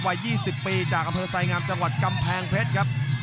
วัย๒๐ปีจากอำเภอไซงามจังหวัดกำแพงเพชรครับ